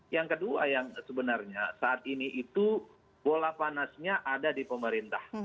yang kedua yang sebenarnya saat ini itu bola panasnya ada di pemerintah